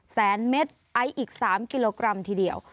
แสนเมตรไอซ์อีก๓กิโลกรัมทีเดียว